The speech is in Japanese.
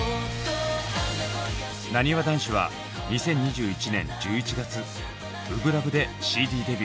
なにわ男子は２０２１年１１月「初心ＬＯＶＥ」でＣＤデビュー。